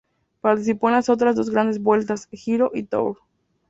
Participó en las otras dos Grandes Vueltas: Giro y Tour.